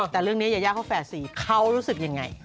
แต่เรื่องนี้ยายาเขาแฝดสี่เขารู้สึกยังไง